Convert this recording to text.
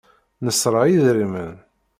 Nesra idrimen.